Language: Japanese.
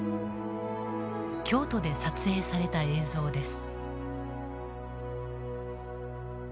京都で撮影された映像です。